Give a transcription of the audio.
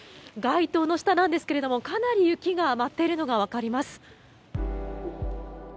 街灯の下なんですが、かなり雪が舞っているのがわかります。